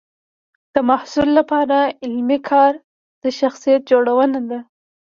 د محصل لپاره علمي کار د شخصیت جوړونه ده.